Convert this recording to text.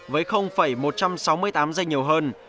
với một trăm sáu mươi tám giây nhiều hơn